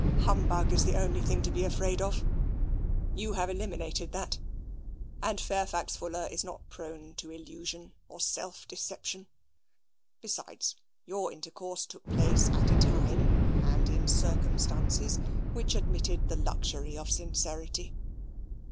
Humbug is the only thing to be afraid of. You have eliminated that, and Fairfax Fuller is not prone to illusion or self deception. Besides, your in tercourse took place at a time and in circumstances which admitted of the luxury of sincerity.